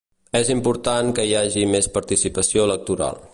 És important que hi hagi més participació electoral.